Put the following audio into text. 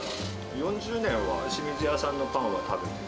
４０年はしみずやさんのパンは食べている。